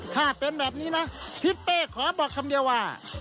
ถ้าเป็นแบบนี้นะทิศเป้ขอบอกคำเดียวว่า